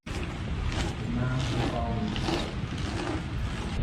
The Man Who Found Himself